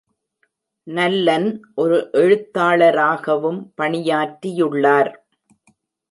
நல்லன் ஒரு எழுத்தாளராகவும் பணியாற்றியுள்ளார்.